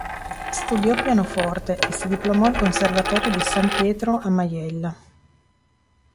Studiò pianoforte e si diplomò al Conservatorio di San Pietro a Majella.